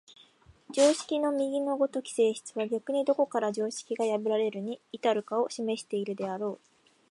常識の右の如き性質は逆にどこから常識が破られるに至るかを示しているであろう。